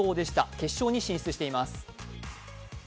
決勝に進出しています。